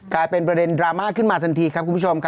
กลายเป็นประเด็นดราม่าขึ้นมาทันทีครับคุณผู้ชมครับ